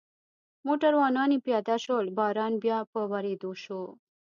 موټروانان یې پیاده شول، باران بیا په ورېدو شو.